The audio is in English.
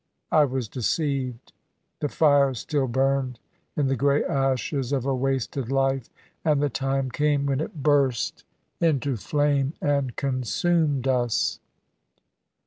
I was deceived. The fire still burned in the grey ashes of a wasted life, and the time came when it burst into flame and consumed us."